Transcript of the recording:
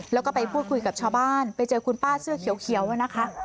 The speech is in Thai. แล้วก็ไปพูดคุยกับชาวบ้านไปเจอคุณป้าเสื้อเขียวนะคะ